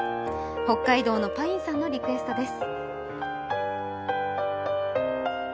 北海道のぱいんさんからのリクエストでです。